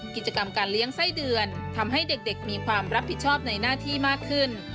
กิจกรรมการเลี้ยงไส้เดือนทำให้เด็กมีความรับผิดชอบในหน้าที่มากขึ้น